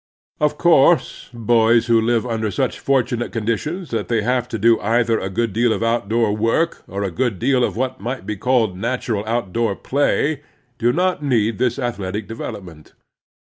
Of course boys who live under such fortunate conditions that they have to do either a good deal of outdoor work or a good deal of what might be called natural outdoor play do not need this ath letic development.